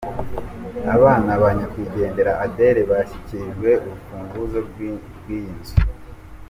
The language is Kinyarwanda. Abana ba nyakwigendera Adele bashyikirijwe urufunguzo rw'iyi nzu.